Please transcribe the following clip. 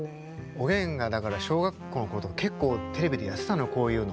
おげんがだから小学校の頃とか結構テレビでやってたのよこういうの。